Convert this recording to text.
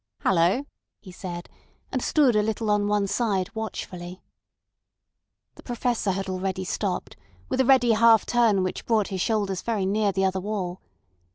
"Hallo!" he said, and stood a little on one side watchfully. The Professor had already stopped, with a ready half turn which brought his shoulders very near the other wall.